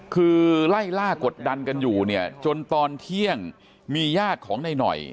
คือไล่ล่ากดดันกันอยู่เนี่ยจนตอนเที่ยงมีญาติของนายหน่อย